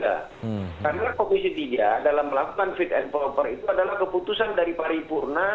karena komisi tiga dalam melakukan fit and proper itu adalah keputusan dari paripurna